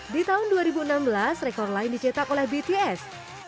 di tahun dua ribu enam belas rekor lain dicetak oleh bts